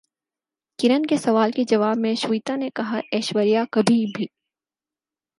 کرن کے سوال کے جواب میں شویتا نے کہا ایشوریا کبھی بھی